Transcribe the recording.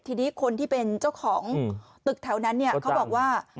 ทีนี้คนที่เป็นเจ้าของตึกแถวนั้นเขาบอกว่า